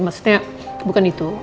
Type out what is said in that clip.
maksudnya bukan itu